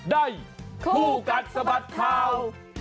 ได้คู่กัดสะบัดเทา